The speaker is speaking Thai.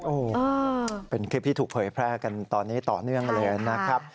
โอ้โหเป็นคลิปที่ถูกเผยแพร่กันตอนนี้ต่อเนื่องเลยนะครับ